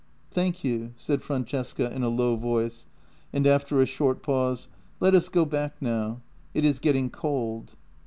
" Thank you," said Francesca in a low voice, and after a short pause: "Let us go back now; it is getting cold."